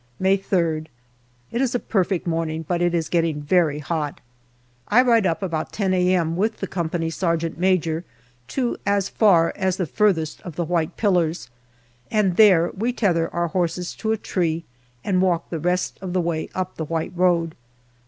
May 3rd. It is a perfect morning, but it is getting very hot. I ride up about 10 a.m. with the company sergeant major to as far as the furthest of the white pillars, and there we tether our horses to a tree and walk the rest of the way up the white road.